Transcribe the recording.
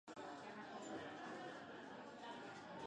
Baina kontzientziak ez omen du atsedenik hartzen.